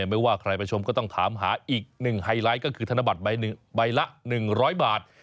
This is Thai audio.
ไม่ว่าใครไปชมก็ต้องถามหาอีกหนึ่งไฮไลท์ก็คือธนบัตรใบละ๑๐๐บาท